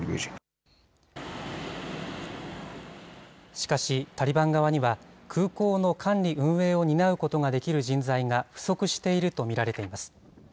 しかし、タリバン側には空港の管理・運営を担うことができる人材が不足していると見られています。